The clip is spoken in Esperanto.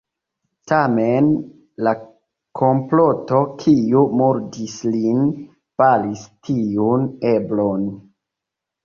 Tamen, la komploto, kiu murdis lin, baris tiun eblon.